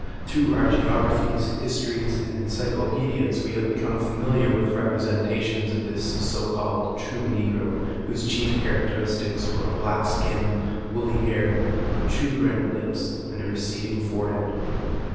Through our geographies, histories and encyclopedias we have become familiar with representations of this so called true Negro, whose chief characteristics were a black skin, woolly hair, protuberant lips and a receding forehead.